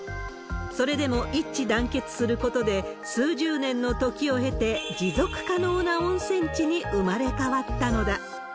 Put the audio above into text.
それでも一致団結することで、数十年のときを経て、持続可能な温泉地に生まれ変わったのだ。